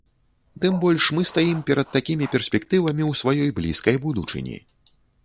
Тым больш, мы стаім перад такімі перспектывамі ў сваёй блізкай будучыні.